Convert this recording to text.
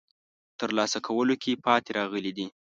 ترلاسه کولو کې پاتې راغلي دي.